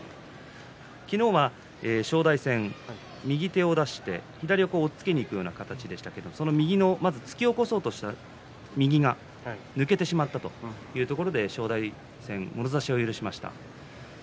昨日は正代戦、右手を出して左を押っつけにいくような形でしたけど右をまず突き起こそうとした右が抜けてしまったというところで正代戦もろ差しを許しました。